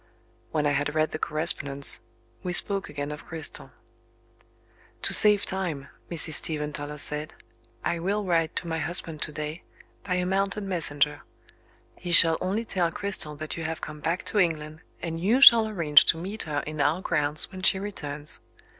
When I had read the correspondence, we spoke again of Cristel. "To save time," Mrs. Stephen Toller said, "I will write to my husband to day, by a mounted messenger. He shall only tell Cristel that you have come back to England, and you shall arrange to meet her in our grounds when she returns.